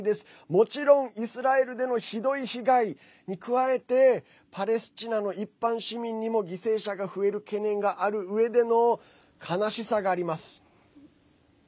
もちろん、イスラエルでのひどい被害に加えてパレスチナの一般市民にも犠牲者が増える懸念があるうえでの悲しさがあります。